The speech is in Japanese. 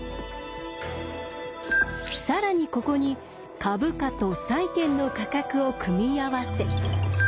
更にここに株価と債券の価格を組み合わせ